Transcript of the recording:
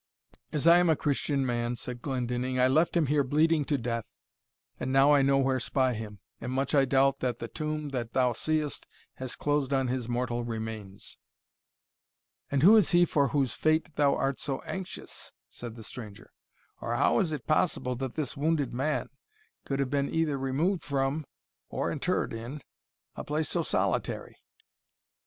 "As I am a Christian man," said Glendinning, "I left him here bleeding to death and now I nowhere spy him, and much I doubt that the tomb that thou seest has closed on his mortal remains." "And who is he for whose fate thou art so anxious?" said the stranger; "or how is it possible that this wounded man could have been either removed from, or interred in, a place so solitary?"